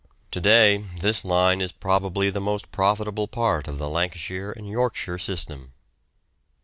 To day this line is probably the most profitable part of the Lancashire and Yorkshire system.